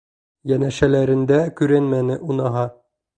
Йәнәшәләрендә күренмәне уныһы.